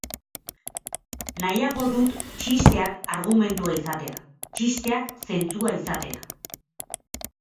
Nahiago dut txisteak argumentua izatea, txisteak zentzua izatea.